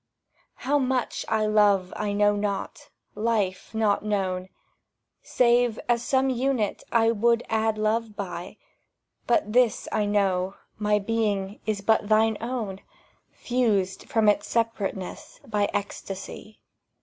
How much I love I know not, life not known, Save as some unit I would add love by; But this I know, my being is but thine own— Fused from its separateness by ecstasy.